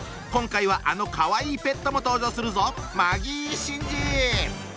今回はあのかわいいペットも登場するぞ！